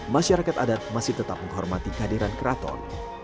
masyarakat adat masih tetap menghormati kehadiran keraton